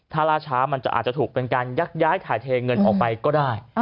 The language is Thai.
ถ้าล่าช้ามันจะอาจจะถูกเป็นการยักย้ายถ่ายเทเงินออกไปก็ได้